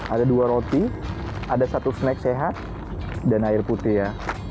ada dua roti ada satu snack sehat dan air putih ya